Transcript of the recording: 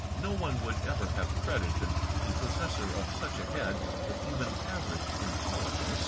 No one would ever have credited the possessor of such a head with even average intelligence.